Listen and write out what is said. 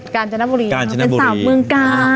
การจนบุรีเป็นสาวเมืองกาล